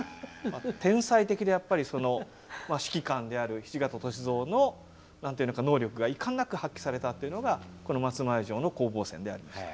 天才的でやっぱり指揮官である土方歳三の能力がいかんなく発揮されたっていうのがこの松前城の攻防戦でありました。